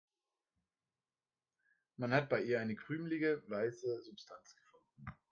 Man hat bei ihr eine krümelige, weiße Substanz gefunden.